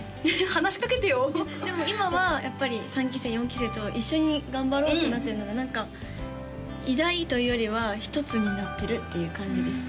話しかけてよでも今はやっぱり３期生４期生と一緒に頑張ろうってなってるのが何か偉大というよりは一つになってるっていう感じです